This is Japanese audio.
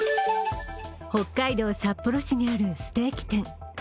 北海道札幌市にあるステーキ店。